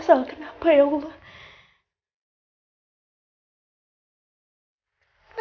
ya allah kenapa masalahnya